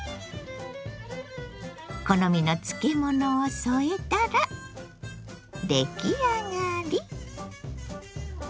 好みの漬物を添えたら出来上がり。